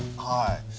はい。